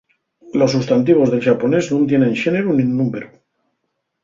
Los sustantivos del xaponés nun tienen xéneru nin númberu.